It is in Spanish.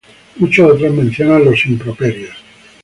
Muchos otros mencionan los "Improperios".